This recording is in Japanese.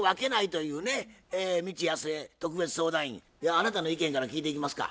あなたの意見から聞いていきますか。